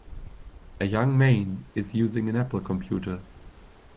A young main is using an Apple computer.